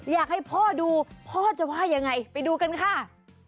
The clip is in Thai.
อยากให้พ่อดูพ่อจะว่ายังไงไปดูกันค่ะ